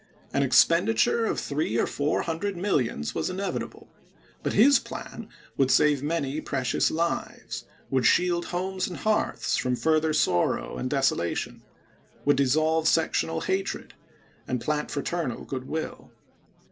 An expenditure of three or ises. four hundred millions was inevitable ; but his plan would save many precious lives, would shield homes and hearths from further sorrow and desola tion, would dissolve sectional hatred, and plant fra ternal good will.